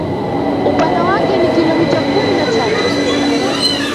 Upana wake ni kilomita kumi na tatu